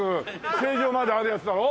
成城まであるやつだろ？